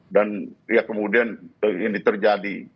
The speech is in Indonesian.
dan ya kemudian ini terjadi